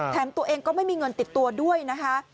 ตัวเองก็ไม่มีเงินติดตัวด้วยนะคะ